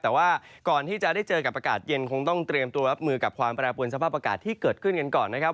แต่ว่าก่อนที่จะได้เจอกับอากาศเย็นคงต้องเตรียมตัวรับมือกับความแปรปวนสภาพอากาศที่เกิดขึ้นกันก่อนนะครับ